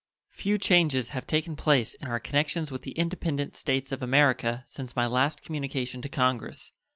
Few changes have taken place in our connections with the independent States of America since my last communication to Congress.